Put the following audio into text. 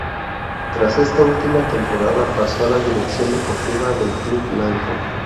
Tras esta última temporada pasó a la dirección deportiva del club blanco.